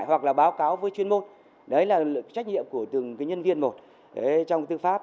hoặc là báo cáo với chuyên môn đấy là trách nhiệm của từng nhân viên một trong tư pháp